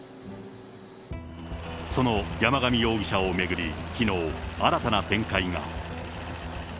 その山上容疑者を巡りきのう、新たな展開が。